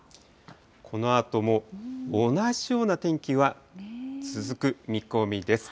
このあとも同じような天気は続く見込みです。